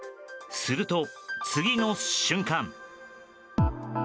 すると、次の瞬間。